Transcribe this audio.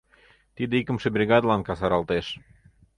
Тиде икымше бригадылан касаралтеш.